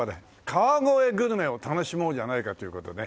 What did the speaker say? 川越グルメを楽しもうじゃないかという事でね。